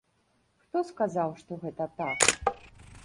Хто сказаў, што гэта так?